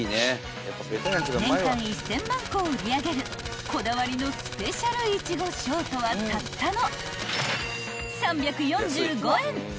［年間１，０００万個を売り上げるこだわりのスペシャル苺ショートはたったの］